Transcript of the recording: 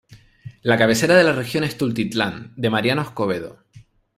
La cabecera de la región es Tultitlán de Mariano Escobedo.